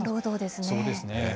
そうですね。